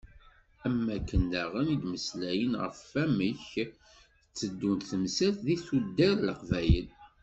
Am wakken daɣen i d-mmeslayen ɣef wamek tteddunt temsal di tuddar n Leqbayel.